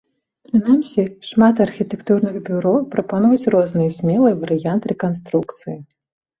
Прынамсі, шмат архітэктурных бюро прапануюць розныя смелыя варыянты рэканструкцыі.